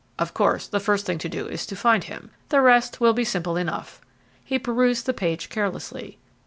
"Of course, the first thing to do is to find him; the rest will be simple enough." He perused the page carelessly.